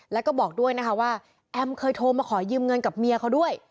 แล้วก็บอกด้วยนะคะว่าแอมเคยโทรมาขอยืมเงินกับเมียเขาด้วย